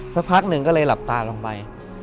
สักพักหนึ่งก็เลยหลับตาลงไป